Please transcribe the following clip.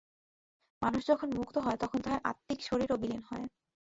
মানুষ যখন মুক্ত হয়, তখন তাহার আত্মিক শরীরও বিলীন হয়।